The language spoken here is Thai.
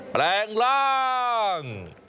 แปลงร่าง